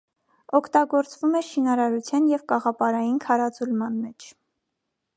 Օգտագործվում է շինարարության և կաղապարային քարաձուլման մեջ։